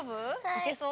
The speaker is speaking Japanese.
いけそう？